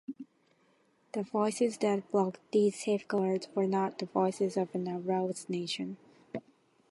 The voices that blocked these safeguards were not the voices of an aroused nation.